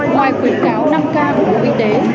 ngoài khuyến cáo năm k của bộ y tế